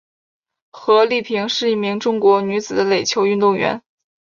何丽萍是一名中国女子垒球运动员。